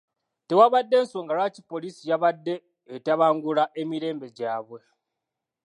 Tewaabadde nsonga lwaki poliisi yabadde etabangula emirembe gyabwe.